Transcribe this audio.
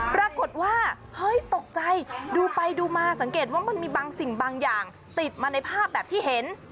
ปรากฏว่าเฮ้ยตกใจดูไปดูมาสังเกตว่ามันมีบางสิ่งบางอย่างติดมาในภาพแบบที่เห็น